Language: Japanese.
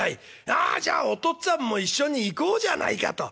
ああじゃあお父っつぁんも一緒に行こうじゃないか』と。